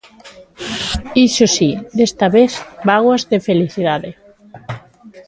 Iso si, desta vez, bágoas de felicidade.